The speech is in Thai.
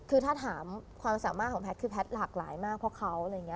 คือถ้าถามความสามารถของแพทย์คือแพทย์หลากหลายมากเพราะเขา